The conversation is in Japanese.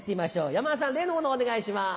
山田さん例のものをお願いします。